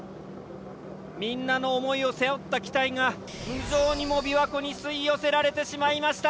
みんなの想いを背負った機体が無情にも琵琶湖に吸い寄せられてしまいました。